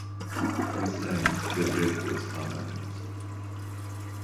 This time, the break was permanent.